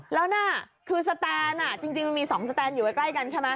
แล้วน่ะคือสแตนจริงมันมี๒สแตนอยู่ใกล้กันใช่ไหม